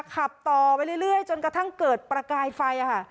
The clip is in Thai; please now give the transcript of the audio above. ขับต่อไปเรื่อยจนกระทั่งเกิดประกายไฟ